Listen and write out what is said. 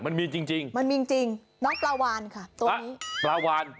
มันมีจริงจริงมันมีจริงน้องปลาวานค่ะตัวนี้ปลาวาน